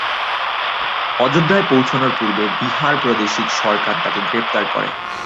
অযোধ্যায় পৌঁছানোর পূর্বে বিহার প্রাদেশিক সরকার তাকে গ্রেফতার করে।